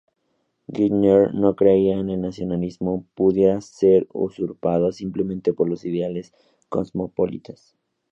Gellner no creía que el nacionalismo pudiera ser usurpado simplemente por los ideales cosmopolitas.